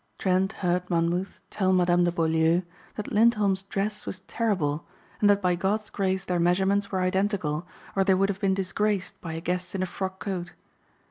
Trent heard Monmouth tell Madame de Beaulieu that Lindholm's dress was terrible and that by God's grace their measurements were identical or they would have been disgraced by a guest in a frock coat.